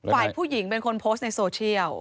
ฝ่ายผู้หญิงเป็นคนโพสต์ในโซเชียล